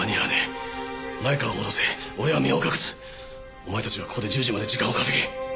お前たちはここで１０時まで時間を稼げ。